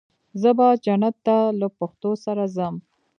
زه به جنت ته له پښتو سره ځم.